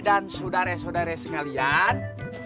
dan saudara saudara sekalian